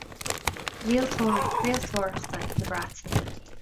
Rialtóirí craoltóireachta na Breataine.